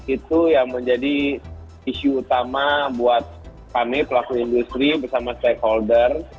itu yang menjadi isu utama buat kami pelaku industri bersama stakeholder